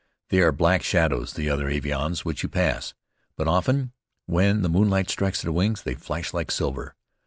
They are black shadows, the other avions which you pass, but often, when the moonlight strikes their wings, they flash like silver.